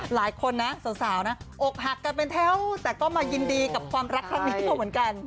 หลายคนนะสาวนะอกหักกันเป็นแถวแต่ก็มายินดีกับความรักครั้งนี้มาเหมือนกัน